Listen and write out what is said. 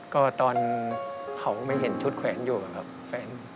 ก็ตอนเขาไม่เห็นชุดแขวนอยู่ครับแฟน